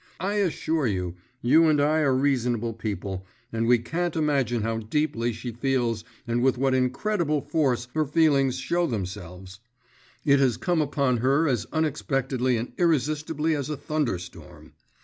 I assure you, you and I are reasonable people, and we can't imagine how deeply she feels and with what incredible force her feelings show themselves; it has come upon her as unexpectedly and irresistibly as a thunderstorm.